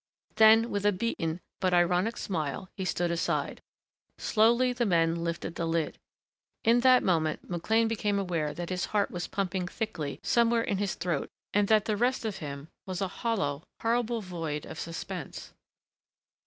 Then with a beaten but ironic smile he stood aside. Slowly the men lifted the lid.... In that moment McLean became aware that his heart was pumping thickly somewhere in his throat and that the rest of him was a hollow, horrible void of suspense.